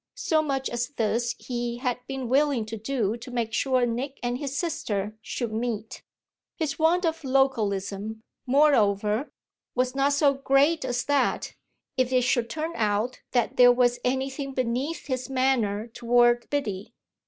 So much as this he had been willing to do to make sure Nick and his sister should meet. His want of localism, moreover, was not so great as that if it should turn out that there was anything beneath his manner toward Biddy